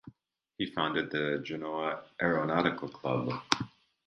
He founded the Genoa aeronautical club.